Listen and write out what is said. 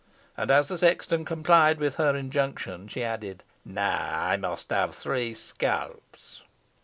And, as the sexton complied with her injunction, she added, "Now I must have three scalps."